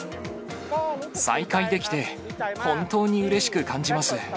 再開できて本当にうれしく感じます。